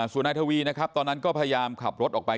สุนายทวีตอนนั้นก็พยายามขับรถออกไป